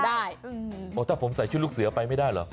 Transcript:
ถ้าผมใส่ชุดลูกเสือไปไม่ได้เหรอ